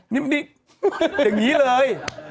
นี่มันเป็นอย่างนี้เลย